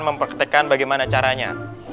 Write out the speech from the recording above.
memperketekkan bagaimana caranya